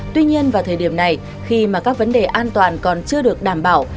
tuy nhiên vào thời điểm này khi mà các vấn đề an toàn còn chưa được đảm bảo